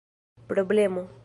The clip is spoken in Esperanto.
problemo